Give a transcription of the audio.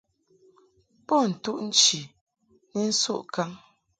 Bo ntuʼ nchi ni nsuʼ kaŋ.